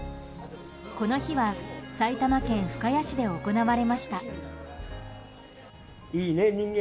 この日は埼玉県深谷市で行われました。